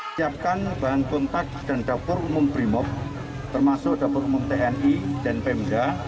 siapkan bahan kontak dan dapur umum brimob termasuk dapur umum tni dan pemda